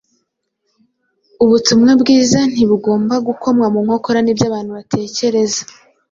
Ubutumwa bwiza ntibugomba gukomwa mu nkokora n’ibyo abantu bitekerereza